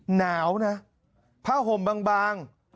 หนาวนะผ้าห่มบาง